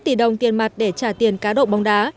bốn mươi một tỷ đồng tiền mặt để trả tiền cá độ bóng đá